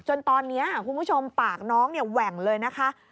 จนตอนนี้คุณผู้ชมปากน้องเนี่ยแหว่งเลยนะคะ